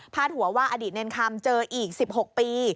หัวว่าอดีตเนรคำเจออีก๑๖ปี